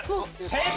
正解！